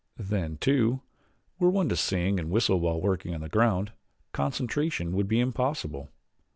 Then, too, were one to sing and whistle while working on the ground, concentration would be impossible.